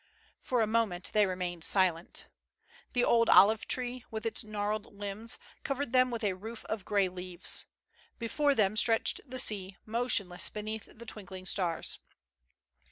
For a moment they remained silent. The old olive tree, with its gnarled limbs, covered them with a roof of gray leaves. Before them stretched the sea, motionless beneath the twinkling stars.